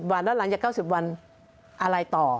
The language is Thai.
วันแล้วหลังจาก๙๐วันอะไรต่อ